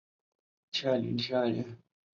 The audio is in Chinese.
兴化话本来都保留着的鼻韵母。